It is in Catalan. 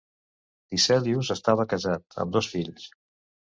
Tiselius estava casat, amb dos fills.